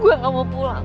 gua gak mau pulang